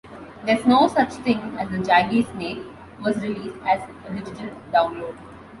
"There's No Such Thing As A Jaggy Snake" was released as digital download.